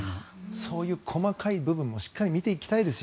細かい部分もしっかり見ていただきたいですよ。